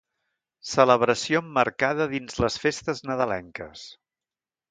Celebració emmarcada dins les festes nadalenques.